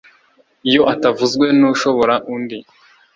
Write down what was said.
iyo atavuzwe n'ushobora undi